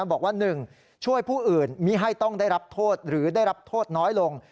บอกว่า๑ช่วยผู้อื่นมิให้ต้องได้รับโทษหรือได้รับโทษน้อยลง